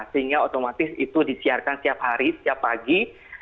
sehingga otomatis itu disiarkan setiap hari setiap pagi